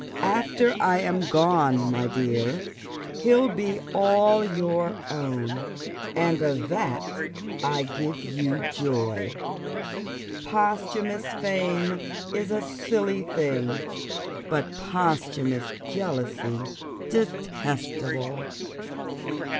After I am gone, my dear, he'll be all your own, and of that I give you joy. Posthumous fame is a silly thing, but posthumous jealousy detestable."